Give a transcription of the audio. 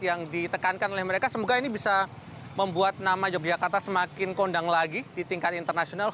yang ditekankan oleh mereka semoga ini bisa membuat nama yogyakarta semakin kondang lagi di tingkat internasional